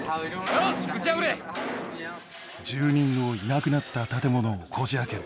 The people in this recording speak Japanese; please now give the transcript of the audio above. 住人のいなくなった建物をこじ開ける。